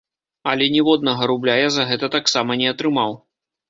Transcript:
Але ніводнага рубля я за гэта таксама не атрымаў.